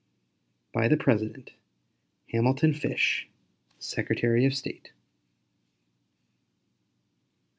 By the President: HAMILTON FISH, Secretary of State.